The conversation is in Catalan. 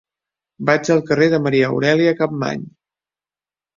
Vaig al carrer de Maria Aurèlia Capmany.